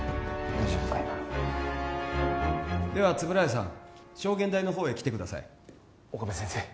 今では円谷さん証言台の方へ来てください岡部先生